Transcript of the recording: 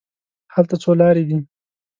هلته څو لارې دي.